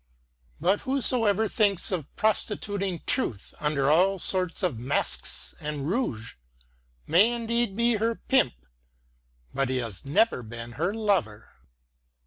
But whosoever thinks of prostituting Truth under all sorts of masks and rouge, may indeed be her pimp, but he has never been her lover.